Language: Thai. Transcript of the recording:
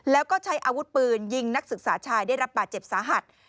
แล้วก็ใช้อาวุธปืนยิงนักศึกษาชายได้รับบาดเจ็บสาหัส